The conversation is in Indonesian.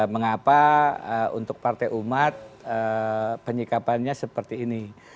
mengapa untuk partai umat penyikapannya seperti ini